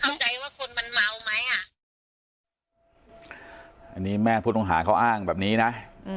เข้าใจว่าคนมันเมาไหมอ่ะอันนี้แม่ผู้ต้องหาเขาอ้างแบบนี้นะ